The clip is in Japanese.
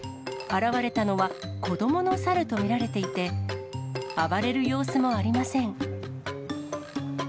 現れたのは、子どもの猿と見られていて、暴れる様子もありません。